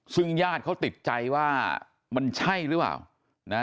ซึ่งญาติเขาติดใจว่ามันใช่หรือเปล่านะ